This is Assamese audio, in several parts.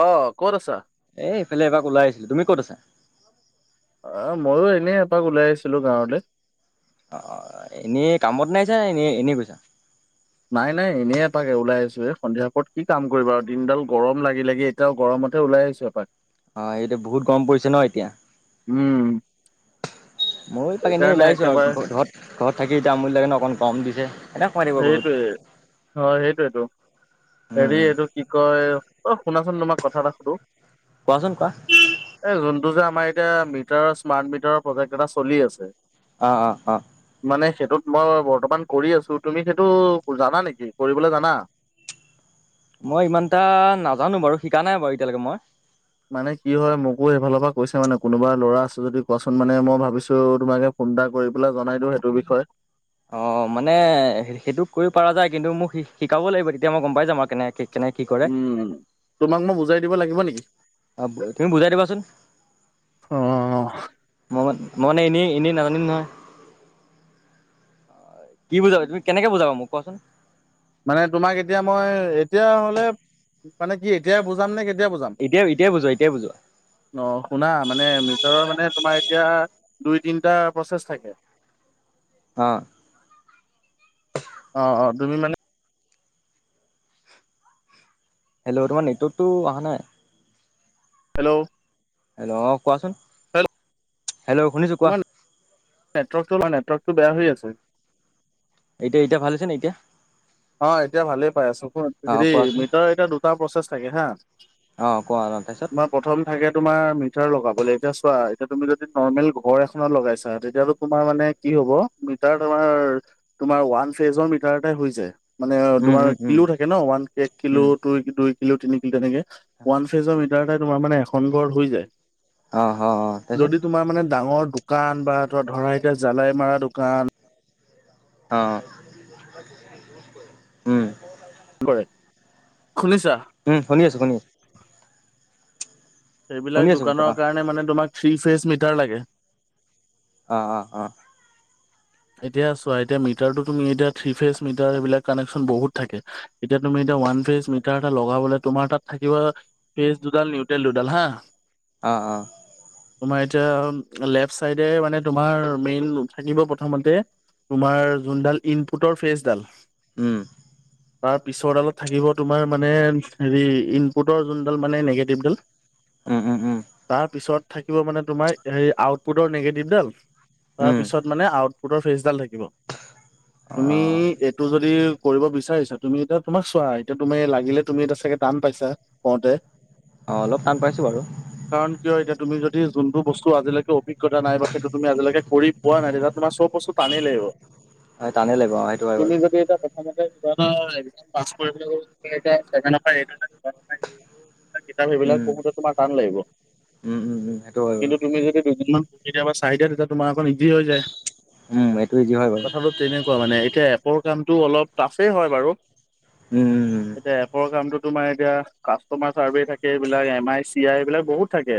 অ' ক'ত আছা? এই ইফালে এবাক ওলাই আহিছিলোঁ তুমি ক'ত আছা? আহ মইয়ো এনে এপাক ওলাই আহিছিলোঁ গাঁৱলে। অ' এনেই কামত নাইছা এনেই এনেই গৈছা। নাই-নাই এনেই এটাকে ওলাই আছো এ সন্ধিয়া কত কি কাম কৰিবা আৰু দিনডাল গৰম লাগি-লাগি এতিয়াও গৰম মতে ওলাই আহিছো এপাক অ' এইটো বহুত গৰম পৰিছে ন এতিয়া। উম, ময়ো এপাক এনে সেইকাৰণে ওলাইছো আৰু একেবাৰে ঘৰত ঘৰত থাকি এতিয়া আমনি লাগে অকণ গৰম দিছে। এনে সোমাই থাকিব বহুত সেইটোৱে হয় সেইটোয়েইটো উম হেৰি উম এইটো কি কয় অ' শুনাচোন তোমাৰ কথা এটা সুধো। কোৱাচোন কোৱা। সিটো যে আমাৰ এতিয়া মিটাৰৰ স্মাৰ্ট মিটাৰৰ প্ৰজেক্ট এটা চলি আছে। অহ-অহ-অহ। মানে সেইটোত মই বৰ্তমান কৰি আছোঁ। তুমি সেইটো জানা নেকি কৰিবলৈ জানা। মই ইমান এটা নাজানো বাৰু শিকা নাই বাৰু এতিয়ালৈকে মই। মানে কি হয় মোকো সেইফালৰ পৰা কৈছে মানে কোনোবা ল'ৰা আছো যদি কোৱাচোন মানে মই ভাবিছো তোমাকে ফোন এটা কৰি পেলাই জনাই দিও সেইটো বিষয়ে। অ' মানে সেইটো কৰিব পৰা যায় কিন্তু মোক শিকাব লাগিব কেতিয়া মই গম পাই যাম। কেনে কেনেকে কি কৰে উম, তোমাক মই বুজাই দিব লাগিব নেকি? অ' তুমি বুজাই দিবাচোন। মই ম মানে এনেই-এনেই নাজানিম নহয়। কি বুজাব তুমি কেনেকে বুজাবা মোক কোৱাচোন? মানে তোমাক এতিয়া মই এতিয়া হলে, মানে কি এতিয় বুজাম নে কেতিয়া বুজাম? এতিয়াই এতিয়াই বুজোৱা এতিয়াই বুজোৱা অ' শুনা মানে মিটাৰৰ মানে তোমাৰ এতিয়া দুই তিনিটা প্ৰচেছ থাকে। অ', অ'-অ' তুমি মানে হেল্ল' তোমান নেটৱৰ্ক টো অহা নাই। হেল্ল', হেল্ল' কোৱাচোন হেল্ল' হেল্ল' শুনিছো কোৱা? টো বেয়া হৈ আছে। এতিয়া-এতিয়া ভাল হৈছে নে এতিয়া? অ' এতিয়া ভালে পাই আছো শুন অ হেৰি কোৱাচোন মিটাৰ এতিয়া দুটা প্ৰচেছ থাকে হা অ কোৱা অ তাৰপিছত তোমাৰ প্ৰথম থাকে তোমাৰ মি লগাবলে এতিয়া চোৱা এতিয়া তুমি যদি নৰ্মেল ঘৰ এখনত লগাইছা তেতিয়া তোমাৰ মানে কি হ'ব। মিটাৰ তোমাৰ উৱান ফেজৰ মিটাৰটে হয় যায়। মানে উম তোমাৰ উম উম কিলো থাকে ন ওৱান এক কিলো উম দুই কিলো তিনি কিলো তেনেকে ওৱান ফেজৰ তোমাৰ মানে এখন ঘৰত হৈ যায় অ অ অ তাৰপিছত যদি তোমাৰ মানে ডাঙৰ দোকান বা ত ধৰাহতে জালাই মৰা দোকান অ' উম কি কৰে শুনিছা উম শুনি আছো শুনি আছো। শুনি সেইবিলাক আছো কোৱা দোকানৰ কাৰণে মানে তোমাক থ্ৰী ফেচ মিটাৰ লাগে। অ' অ' অ' এতিয়া চোৱা এতিয়া মিটাৰটো তুমি এতিয়া থ্ৰী ফেচ মিটাৰ এইবিলাক কানেকশ্যন বহুত থাকে এতিয়া তুমি এতিয়া ওৱান ফেচ মিটাৰ এটা লগাবলে তোমাৰ তাত থাকিব ফেচ দুডাল নিউটেল দুডাল হা। অ'-অ', তোমাৰ এতিয়া লেফট চাইডে মানে তোমাৰ মেইন থাকিব। প্ৰথমতে তোমাৰ যোনডাল ইনপুটৰ ফেচডাল উম তাৰ পিছৰডালত থাকিব তোমাৰ মানে হেৰি ইনপুটৰ যোনডাল মানে নিগেটিভডাল, উম'-উম'-উম', তাৰ পিছত থাকিব মানে তোমাৰ হেৰি আউটপুটৰ নিগেটিভডাল তাৰ উম পিছত মানে আউটপুটৰ ফেচডাল থাকিব। অ তুমি এইটো যদি কৰিব বিচাৰিছা তুমি এতিয়া তোমাক চোৱা এতিয়া তুমি লাগিলে তুমি এতিয়া চাগে টান পাইছা কওঁতে অ অলপ টান পাইছো বাৰু কাৰণ কিয় এতিয়া তুমি যদি যোনটো বস্তু আজিলৈ অভিগতা নাই বা সেইটো তুমি আজিলৈকে কৰি পোৱা নাই তে তমাৰ চব বস্তু টানে লাগিব। হয় টানেই লাগিব অ' সেইটো হয় তুমি বাৰু। [inaudible] কিতাপ সেইবিলাক উম পঢ়োতে তোমাৰ টান লাগিব উম উম উম সেইটো হয় বাৰু কিন্তু তুমি যদি দুদিন মান কেতিয়াবা চাই দিয়া তেতিয়া তোমাৰ অকন ইজি হৈ যায়। উম সেইটো ইজি হয় বাৰু কথাটো তেনেকুৱা মানে এতিয়া এপৰ কামো অলপ টাফেই হয় বাৰু উম উম উম এতিয়া এপৰ কামটো তোমাৰ এতিয়া কাষ্টমাৰ চাৰ্ভে থাকে এইবিলাক এম আই চি আই এইবিলাক বহুত থাকে।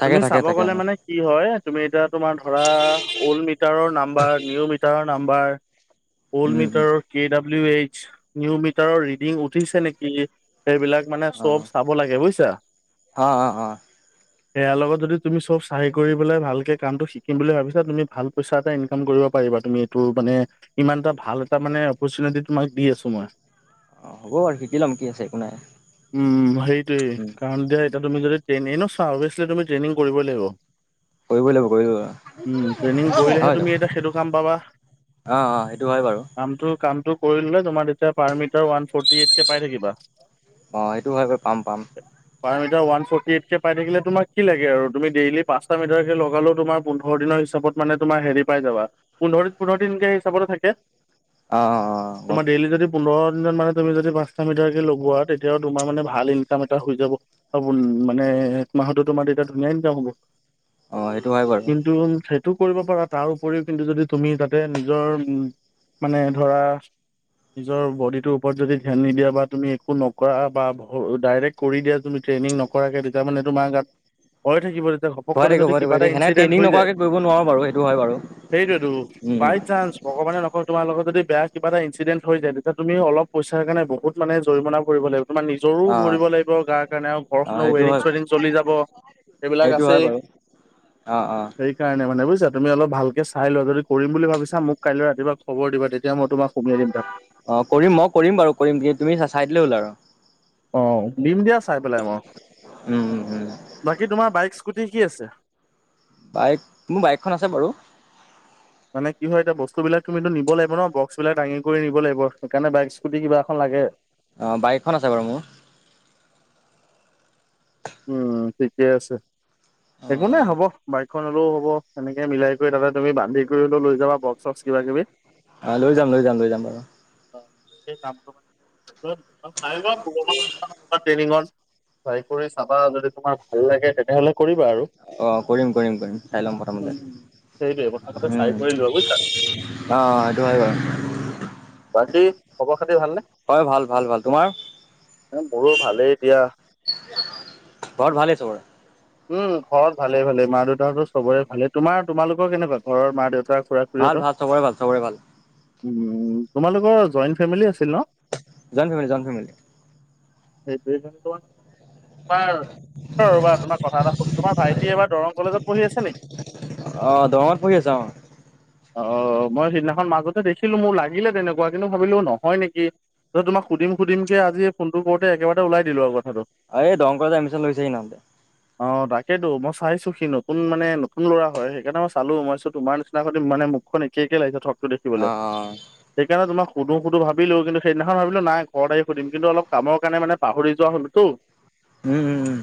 থাকে তুমি থাকে চাব থাকে অ গ'লে মানে কি হয় তুমি এতিয়া তোমাৰ ধৰা অল্ড মি নাম্বৰ নিউ মিটাৰৰ নাম্বাৰ অল্ড উম উম মিটাৰৰ কেইডাল। ডাবলিউ এইচ নিউ মিটাৰৰ ৰিডিং উঠিছে নেকি? সেইবিলাক মানে চব চাব লাগে বুজিছা। অ'-অ'-অ', এইয়াৰ লগত যদি, তুমি চব চাই কৰি পেলাই ভালকে কামটো শিকিম বুলি ভাবিছা, তুমি ভাল। পইচা পাই ইনকম কৰিব পাৰিবা। তুমি এইটো মানে ইমান এটা ভাল এটা মানে অপাৰচুনেতি তোমাক দি আছো মই। অ' হ'ব বাৰু শিকি ল'ম কি আছে। একো নাই। উম, হেইটোোৱেই উম কাৰণ দে, অ'ট মোৱাল এনে‌ নষ্ট‌ হৱ। অবচিলি ৰ্ট্ৰেইনিং কৰিবই লাগিব। কৰিবই লাগিব কৰিব লাগিব। আমি নাজানো এই, অ'হে। তুমি এটা সেইটো কাম পাবা। অ সেইটো হয় বাৰু আমিটো কা। আমিটো কৰি পেলাই জমা দিম। এতিয়া পাৰমিটাৰ ৱান ফ'ৰটি এ'ট কে পায় থাকিবা। বা, এইটো ভাগভ পাম পাম। পাৰ মিটাৰ ৱান ফ'ৰটি এইত কে পাই থাকিলে, তোমাৰ কি লাগে আৰু তুমি ডেইলি পাচটা মিটাৰ কে লগালে, তোমাৰ পোন্ধৰ দিনৰ হিচাপত। মানে, তোমাৰ হেৰি পাই গ'লা। পোন্ধৰ দিন, পোন্ধৰ দিনকে হিচাপতে থাকে। অ অ অ গম তোমাৰ, দেৰিলি যদি পোন্ধৰ। ইমান মাহত তুমি যদি পাঁচটা মিটাৰকে লগোৱা। তেতিয়াও তোমাৰ মানে, ভাল ইনকাম এটা হৈ যাব হৱ মানে। এক মাহতে তোমাৰ, দেউতা নাইন পাৱগৈ। অ সেইটো হয় বাৰু কিন্তু‌ থাক। কি কৰিব পাৰা, তাৰ উপৰিও কিন্তু যদি তুমি তাতে নিজৰ মানে ধৰা। নিজৰ বডিটোৰ ওপৰত যদি ধ্যান নিদিয়া বা তুমি একো নকৰা বা ডাইৰেক্ট কৰি দিয়া তুমি ট্ৰেইনিং নকৰাকে যেতিয়া মানে তোমাৰ ইয়াত, পেলাই থৈ কিবা এটা ভয় ঘপকৈ থাকিব যদি ভয় থাকিব কিবাটা সেনে ‌ইনঞ্চিডেণ্ট ট্ৰেইনিং হৈ যায়। নকৰাকে কৰিব নোৱাৰো বাৰু সেইটো হয় বাৰু সেইটোতো, উম উম বাই চান্স ভগৱানে নকয় তোমাৰ লগত। যদি বেয়া কিব এটা ইঞ্চিডেণ্ট হৈ যায়, লোকক তুমি অলপ পইচাৰ কাৰণে বহুত মানে, জৰিমনা‌ ভৰিব লাগিব। তোমাৰ নিজৰো অ ভৰিব লাগিব গাৰ কাৰণে আৰু অ সেইটো ওৱাৰিৎ হয় চুৱাৰিৎ চলি যাব। সেইবিলাক সেইটো আছে। হয় বাৰু অ', অ। জানিছা, তুমি অলপ ভালকে চাই ল'বলৈ কৰিম বুলি ভাবিছা, মোক কাইলৈ ৰাতিপুৱা খবৰ দিবা। তেতিয়া কিবা মই গৈ তোমাক সুমিয়াই দিম তাক আছে [inaudible] অ' মই কৰিম মই কৰিম বাৰু কৰিম কি, তুমি চাই দিলে হ'ল আৰু। অ' দিম দিয়া চাই পেলাই মই, উম উম উম বাকী তোমাৰ বাইকচ। এইটো কি আছে? বাইক, মোৰ বাইকখন আছে বাৰু। মানে কিবা এটা বস্তুবিলাক তুমিতো নিব লাগিব ন, বক্সবিলাক দাঙি কৰি নিব লাগিব। সেইকাৰণে বাইক, স্কুটি কিবা এখন লাগে। অ 'বাইকখনৰ সলনি। উম, ঠিকে আছে। অ একো নাই হ'ব বাইক। কোনোবাই হ'ব, এনেকে মিলাই কৰি তাপা তুমি বান্ধি কৰি ল' লৈ যাবা বক্স চক্ কিবা কিবি। আ, লৈযাম, লৈযাম, লৈ, যামগৈ। অ'এই কামটো মানে। [unintelligible] আহি যাওক ল'ৰা ট্ৰেইনিংত আহি চাই কৰি [inaudible] চাবা যদি [unintelligible] তোমাৰ ভাল অ লাগে তেনেহলে 'কৰিম কৰিবা কৰিম কৰিম চাই ল'ম আৰু প্ৰথমতে। এইটোৱে সেইটোৱে টো, প্ৰথমতে চাই উম কৰি লোৱা বুজিছা [inaudible] অ'অ, এইটো হয় বাৰু। বাকী খবৰ খাতি ভালনে? হয় ভাল ভাল ভাল তোমাৰ এ' মোৰো ভালেই দিয়া। ঘৰত ভালেই তোৰ। উম, ঘৰত ভালে ভালে মা -দেউতাহতৰ চবৰে ভালে। তোমাৰ তোমালোকৰ কেনেকুৱা? ঘৰৰ মা দেউতাৰ। ভাল ভাল সবৰে ভাল, সবৰে ভাল। উম, তোমালোকৰ জইণ্ট ফেমিলি আছিল ন? Joint family, joint family. সেইটোোৱে কৰো, কাৰ ক'ৰবাত তোমাক। কথা এটা সুধো, তোমাৰ ভাইটি এইবাৰ দৰং কলেজত পঢ়ি আছে নেকি? অ' দৰংত পঢ়ি আছা অ'। অ' মই সিদিনাখন মাজতে দেখিলো মোৰ লাগিলে তেনেকুৱা, কিন্তু ভাবিলো নহয় নেকি? এই বিলাক সুধিম সুধিবকে আজি ফোনটো কৰোঁতে, একেবাৰে ওলাই দিলো আৰু কথাটো। অ' এই দৰং‌ কলেজত এডমিচ্যন লৈছেহি নামটে। অ 'তাকেতো মই চাইছো, সি নতুন মানে নতুন ল'ৰা হয়। সেইকাৰণে মই চালো, মইচো তোমাৰ নিচিনা মানে। মুখখন একে একে লাগিছে ঠগ টো অ দেখিবলৈ। অ সেইকাৰণে তোমাক। সুধো সুধো ভাবিলো কিন্তু সদিনাখন ভাবিলো নাই ঘৰত আহি সুধম কিন্তু অলপ কাম কাৰণ মানে পাহৰি যোৱা হ'লোতো। উম, উম। উম।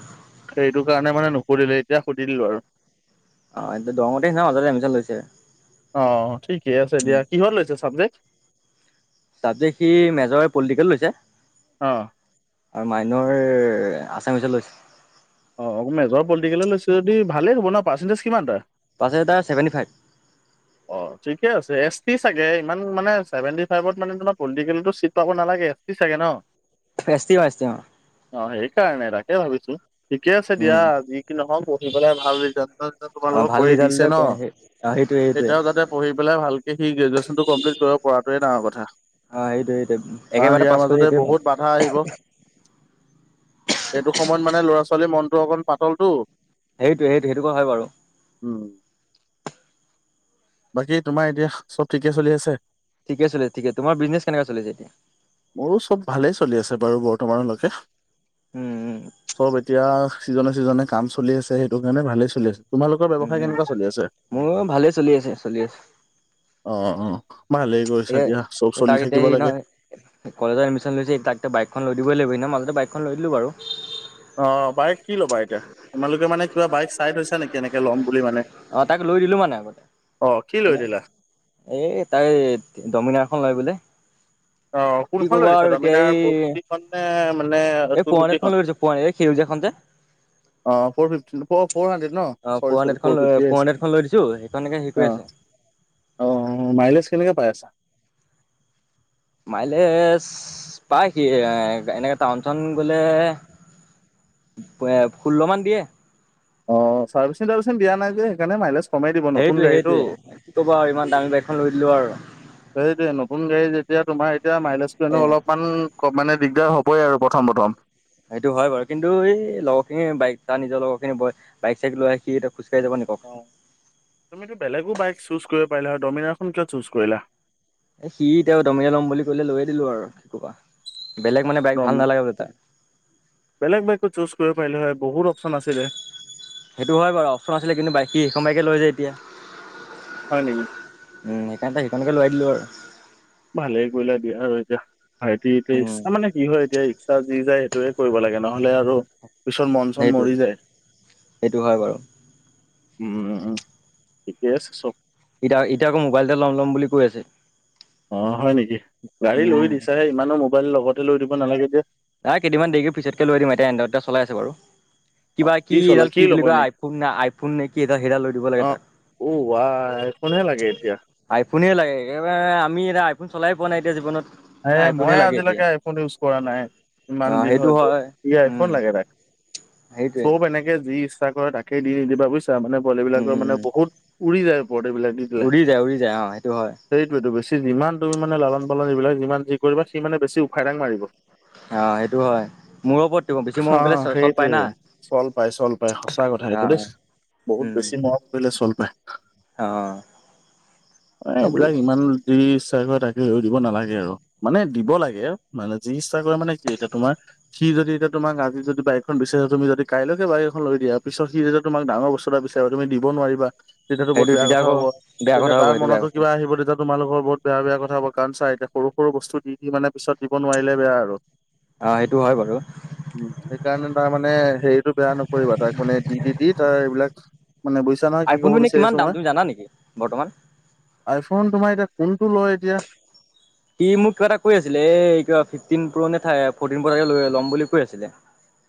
সেইটো কাৰণে মানে নুসুধিলে এতিয়া সুধিলো আৰু। অ এয়া দৰঙতে নয় মাজতে এডমিশ্যন লৈছে অ ঠিকে আছে উম দিয়া কিহৰ লৈছে ছাবজেক্ট। ছাবজেক্ট সি মেজৰ পলিটিকেল লৈছে। অ আৰু মাইনৰ আচামিছত লৈছে। অঁ মেজৰ পলিটিকেললে লৈছে যদি ভালেই হ'ব ন পাৰ্চেণ্টজ কিমান তাৰ। পাৰ্চেণ্টিজ তাৰ ছেভেণ্টি ফাইভ অ ঠিকে আছে এছ টি চাগে ইমান মানে চেভেনটি ফাইভত মানে তোমাৰ পলিটিকেলটো চিট পাব নালাগে হে এপটো চাগে ন এছ টি অ এছ টি অ অ সেইকাৰণে তাকে ভাবিছো ঠিকে আছে উম দিয়া যি কি নহওঁ পঢ়ি পেলাই ভাল ৰিজাল্ট এটা যে অ তোমালোকক ভাল কৰি ৰিজাল্ট দিছে দিলে ন অ সেইটো তেতিয়াওতে পঢ়ি পাই ভালকে সি গ্ৰেজুৱ্যেচনতো কমপ্লিট কৰিব পৰাটোৱে ডাঙৰ কথা। অ সেইটোৱে সেইটোৱে কাৰণ একেবাৰতে ইয়াৰ পাছ কৰিলে মাজতে সেইটোৱে ভাল বহুত বাধা আহিব এইটো সময়ত মানে ল'ৰা ছোৱালীৰ মনটো অকণ পাতলটো। সেইটোৱে সেইটোয়ে সেইটো কথা হয় বাৰু উম বাকী তোমাৰ এতিয়া চব ঠিকে চলি আছে ঠিকে চলি ঠিকে তোমাৰ বিজনেছ কেনেকুৱা চলি আছে এতিয়া। মোৰো চব ভালেই চলি আছে বাৰু বৰ্তমানলৈকে। উম উম চব এতিয়া চিজনে চিজনে কাম চলি আছে সেইটো কাৰণে ভালেই চলি আছে তোমালোকৰ ব্যৱসায় কেনেকুৱা চলি আছে। মোৰ ভালেই চলি আছে চলি আছে। অ অ ভালেই কৰিছা এতিয়া দিয়া চব চলি তাক এতিয়া থাকিব হেৰি লাগে নহয়। কলেজত এডমিশ্যন লৈছে তাক এয়া বাইকখন লৈ দিবই লাগিব। এনে মাজতে বাইকখন লৈ দিলোঁ বাৰু অ বাইক কি ল'বা এতিয়া তোমালোকে মানে। কিবা বাইক চাই থৈছা নেকি এনেকে ল'ম বুলি মানে? অ তাক লৈ দিলো মানে। অ' কি লৈ এনে দিলা? এই তাই ডমিনাৰ এখন লয় বোলে অ' কি কোনখন ক'ব লৈ দিছা আৰু এতিয়া ডমিনাৰ এই ফ'ৰ ফিফটিখন নে মানে এই টু পোৱালীতখন ফিফটিখন? লৈ গৈছো পোৱী সেউজীয়া। এখনতে। অ ফ ফিফটি ফৰ ফৰ হাড্ৰেড ন অ ফ'ৰ চৰি চৰি হাণ্ড্ৰেডখন ফ লৈ ফিফটিহে ফ'ৰ হাণ্ড্ৰেডখন লৈ দিছোঁ সেইখনকে হেৰি কৰি হৈছে অ আছে অহ মাইলেজ কেনেকে পাই আছা মাইলেজ পায় সি এ এনেকে টাউনখন গ'লে। ষোল্ল মান দিয়ে অ চাৰ্ভিচিং তাৰভিচিং দিয়া নাই যে সেইকাৰণে মাইলেজ কমেই দিব নতুন সেইটোৱে গাড়ীটো সেইটোৱে কি ক'ব আৰু ইমান দামী বাইকখন লৈ দিলোঁ আৰু সেইটোৱ নতুন গাড়ী এতিয়া তোমাৰ এতিয়া মাইলেজটো নো এ অলপমান ক মানে দিগদাৰ হ'বই আৰু প্ৰথম প্ৰথম সেইটো হয় বাৰু কিন্তু এই লগৰ খিনি বাইক তাৰ নিজৰ লগৰ খিনি বাইক চাইক লৈ সি এত অ তুমিতো বেলেগো বাইক চুজ কৰিব পাৰিলা। ডমিনাৰখন কিয় চুজ কৰিলা। এ সি এতি দমিনাৰ লম বুলি ক'লে লৈয়ে দিলো আৰু কি কবা। বেলেগ মানে বাইক ভাল নালাগে বোলে তাৰ বেলেগ বাইকো চুজ কৰিব পাৰিলে হয় বহুত অপচন আছিলে সেইটো হয় বাৰু অপচন আছিলে কিন্তু বাইক সি এইখন বাইকে লয় যে এতিয়া উম হয় নেকি সেইকাৰণে সেইখনকে লোৱাই দিলো আৰু ভালে কৰিলো দিয়া আৰু এতিয়া ভাইতি এতিয়া ই উম ৰিক্সা মানে কি হয় এতিয়া ই ৰিক্সা যি যায়। সেইয়ে কৰিব লাগে নহলে আৰু পিছৰ মন চন সেইটোৱে মৰি যায় সেইটো হয় বাৰু। উম উম ঠিকে আছে চব এতিয়া এতিয়া আকৌ মোবাইল এটা ল'ম ল'ম বুলি কৈ আছে। অ হয় নিকি গাড়ী লৈ উম। দিছাহে ইমানো মোবাইল লগতে লৈ দিব নালাগে দিয়া নাই কেইদিনমান দেৰি পিছতকে লৈ দিম এতিয়া এ এয়া চলাই আছে বাৰু অ কিবা কি চলা এডাল কি ল'ব বুলি কয় এনেই আইফোন নে আইফোন নে কি এডাল সেইডাল লৈ দিব লাগে অ অ আ আইফোনহে লাগে তাক এতিয়া আইফোনে লাগে আমি এতি আইফোন চলাই পোৱা নাই। এতিয়া জীৱনত এ, আইফোনে মইে লাগে এতিয়া আজিলৈকে আইফোন ইউজ কৰা নাই। অ ইমান দিন সেইটো হৈ গ'ল হয় ই উম আইফোন লাগে তাক সেইটোৱে চব এনেকে যি ইচ্ছা কৰে তাকে দি নিদিবা বুইছা [unintelligible] মানে পোৱালি উম বিিলাকৰ মানে উম। বহুত উৰি যায় পৰট বিলাক দি দিলে। উৰি যায় উৰি যায় অ সেইটো হয়। সেইটোৱেতো বেছি যিমান তুমি মানে লালন পালন এইবিলাক যিমান যি কৰিবা সি মানে বেছি উফাইদাং মাৰিব। অ সেইটো হয় মূৰৰ ওপৰত বেছি মৰম অ, কৰিলে চল পায় সেইটোৱে না। চল পাই চল পাই সঁচাক কথা অ এইটো দেই বহুত উম বেছি মৰম কৰিলে চল পায়। অ এ, সেইটোৱে এইবিলাক ইমান দেচ্ছাই কৰে তাকে হে দিব নালাগে আৰু মানে দিব লাগে মানে যি ইচ্ছা কৰে মানে কি এতিয়া তোমাৰ সি যদি এতিয়া তোমাক আজি যদি বাইকখন পিছে তুমি যদি কাইলৈকে বাৰী এখন লৈ দিয়া পিছ সিদি তমাক ডাঙৰ ব্তু এটা বিচাৰিব তুমি দিবোৱাৰা তেতিয়াতো বহুত সেইটো বেয়া তেতিয়া কথা আকৌ হব বেয়া তেতিয়া কথা হ'ব তাৰ সেইটো বেয়া মনতো কথা কিবা আহিব তেতিয়া তোমালোকৰ বহুত বেয়া-বেয়া কথা ক'ব, কাৰণ চা এতিয়া সৰু সৰু বস্তু দি দি মানে পিছত দিব নোৱাৰিলে বেয়া আৰু অ', সেইটো হয় বাৰু উম, সেইকাৰণে তাৰ মানে হেৰিতটো বেয়া নকৰিবা, তাক মানে দি- দি-দি তাৰ এইবিলাক মানে বুজিছা নহয় কি ক'ব আইফোনটো এনে বিচাৰি কিমান আছো দাম মই তুমি জানা নেকি বৰ্তমান? আইফোন তোমাৰ এতিয়া কোনটো লয় এতিয়া সি মোক কিবা এটা কৈ আছিলে এ কিবা ফিফটিন পুৰণি ঠাই ফৰ্টিন পে লৈ ল'ম বুলি কৈ আছিলে।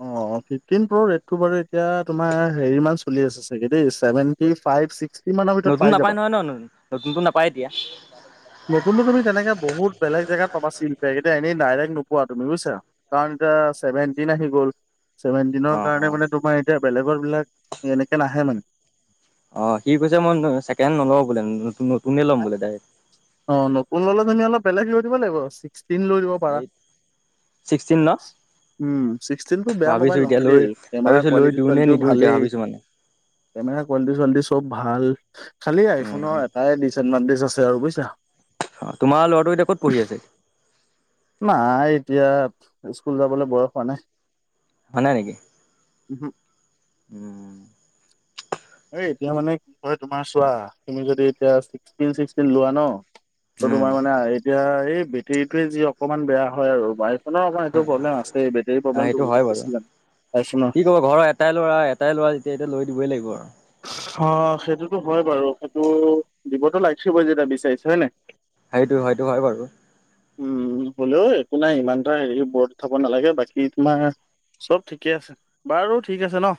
অ' ফিফটিন প্ৰ' ৰেটটো বাৰু এতিয়া তোমাৰ হেৰি মান চলি আছে চাগে দেই, সেভেন্তি ফা ফাইভ ছিকস নতুন নাপায় নহয় ন নতুনতো নাপায়। এতিয়া নতুনটো তুমি তেনেকে বহুত বেলেগ জেগাত পাবা চিলপেক এতিয়া এনেই ডাইৰেক্ট নোপোৱা তুমি বুইছা, কাৰণ এতিয়া চেভেণ্টিন আহি গ'ল, চেভেনটিনৰ অ অ কাৰণে মানে তোমাৰ এতিয়া বেলেগৰ বিলাক এনেকে নাহে মানে অ', সি কৈছে, মই ছেকেণ্ড হেন্ড নলও বোলে নতুন-নতুন অ, নতুন ললে তুমি অলপ বেলেগ স কৰি দিব লাগিব। ষ্টীল লৈ দিব পাৰা ডাইৰেক্ট ছিক্সটিন ন উম, ছিক্সটিনটো বেয়া ভাবিছো মোবাইল এতিয়া নহয় লৈ দেই কেমেৰা ভাবিছো লৈ কোৱালিটি দিওঁ নে চোৱালিটিও নিদিওঁ এতিয়া ভালেই ভাবিছো মানে। কেমেৰাাৰ কোৱালিটি চোৱালিটি চব ভাল খালি উম, আইফোনৰ এটাই ডিচএডভানটেজ আছে আৰু বুইছা তোমাৰ ল'ৰাটো এতিয়া ক'ত পঢ়ি আছে? নাই এতিয়া স্কুল যাবলৈ বয়স হোৱা নাই। হোৱা নাই নেকি? উহু। উম। এই, এতিয়া মানে কি কয় তোমাৰ চোৱা তুমি যদি এতিয়া [unintelligible] চিক্সটিন লোৱা ন উম, তোমাৰ মানে এতিয়া এই বেটেৰীটোৱে যি অকমান বেয়া হয়। আৰু ন, ন আৰ এইটো প্ৰব্লেম আছে বেটেৰী প্ৰব্লেমটো সেইটো হয় বহুত বাৰু। বেছি জানে পাইছ ন তেতিয়া এতিয়া লৈ দিবই লাগিব আৰু অ, সেইটোতো হয় বাৰু সেইটো দিবতো লাগিছিলই যেতিয়া বিচাৰিছো হয় ন সেইটো হয়টো হয় বাৰু উম হ'লেও একো নাই ইমান এটা হেৰি বৰত থাব নালাগে বাকী তোমাৰ চব ঠিকে আছে বাৰু ঠিক আছে ন।